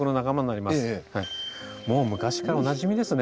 もう昔からおなじみですね。